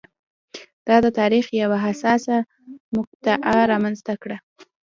دا د تاریخ یوه حساسه مقطعه رامنځته کړه.